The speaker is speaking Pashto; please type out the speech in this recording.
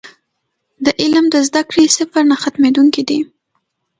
د علم د زده کړې سفر نه ختمېدونکی دی.